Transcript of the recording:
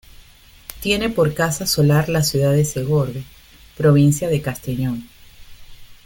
Tiene por casa solar la ciudad de Segorbe, provincia de Castellón.